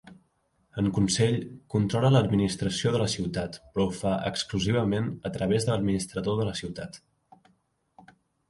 En consell controla l'administració de la ciutat però ho fa exclusivament a través de l'administrador de la ciutat.